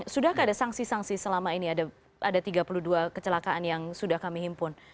sudahkah ada sanksi sanksi selama ini ada tiga puluh dua kecelakaan yang sudah kami himpun